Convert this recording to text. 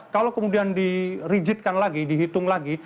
kalau kemudian dirigitkan lagi dihitung lagi